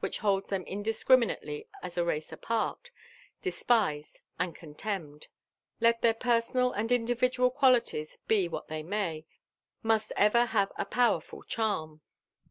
which holds them indiscriminately as a race apart, despised, and contemned, let Iheir personal and individual qualities be what they may, must ever have a powerful charm.